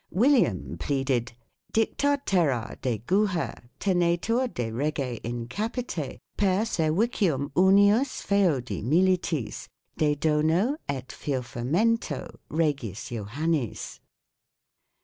William pleaded : Dicta terra de Guher tenetur de rege in Capite per servicium unius feodi militis, de dono et feoffamento Regis Johannis.